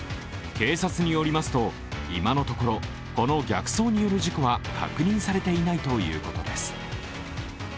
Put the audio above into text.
警察によりますと、今のところこの逆走による事故は確認されていないということです。